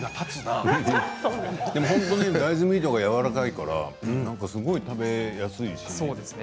大豆ミートがやわらかいから、すごい食べやすいし。